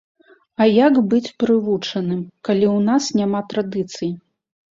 А як быць прывучаным, калі ў нас няма традыцый?